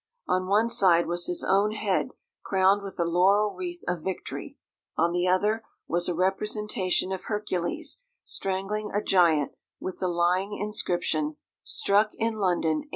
On one side was his own head crowned with the laurel wreath of victory; on the other, was a representation of Hercules strangling a giant, with the lying inscription, "Struck in London, 1804."